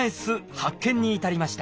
発見に至りました。